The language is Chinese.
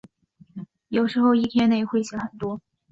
有时候一天内会写很多。